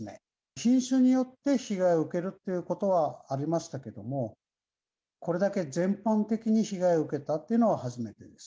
品種によって被害を受けるということはありましたけれども、これだけ全般的に被害を受けたっていうのは初めてです。